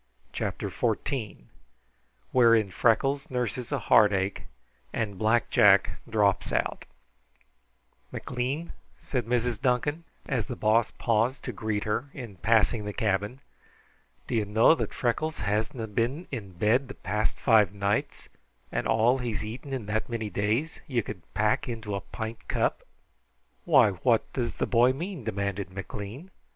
CHAPTER XIV Wherein Freckles Nurses a Heartache and Black Jack Drops Out "McLean," said Mrs. Duncan, as the Boss paused to greet her in passing the cabin, "do you know that Freckles hasna been in bed the past five nights and all he's eaten in that many days ye could pack into a pint cup?" "Why, what does the boy mean?" demanded McLean.